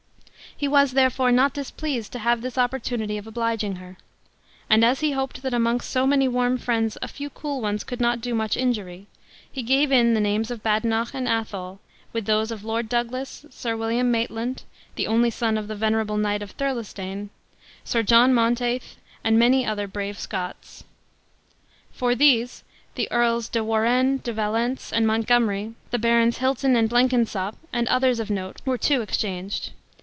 He was therefore not displeased to have this opportunity of obliging her; and, as he hoped that amongst so many warm friends a few cool ones could not do much injury, he gave in the names of Badenoch and Athol, with those of Lord Douglas, Sir William Maitland (the only son of the venerable knight of Thirlestane), Sir John Monteith, and many other brave Scots. For these, the Earls de Warenne, De Valence, and Montgomery, the Barons Hilton and Blenkinsopp, and others of note, were to exchanged.